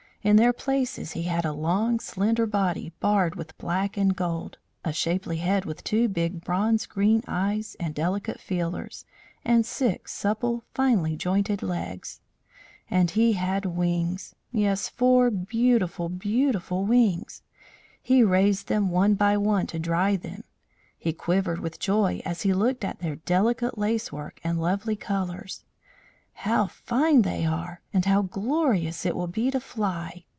In their places he had a long, slender body barred with black and gold, a shapely head with two big bronze green eyes and delicate feelers, and six supple finely jointed legs. And he had wings! Yes, four beautiful, beautiful wings. He raised them one by one to dry them. He quivered with joy as he looked at their delicate lacework and lovely colours. "How fine they are! And how glorious it will be to fly!"